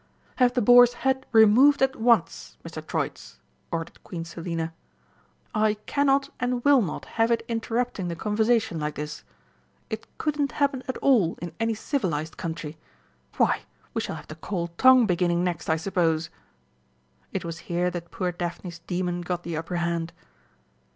"Have the boar's head removed at once, Mr. Troitz," ordered Queen Selina. "I cannot and will not have it interrupting the conversation like this. It couldn't happen at all in any civilised country. Why, we shall have the cold tongue beginning next, I suppose!..." It was here that poor Daphne's demon got the upper hand.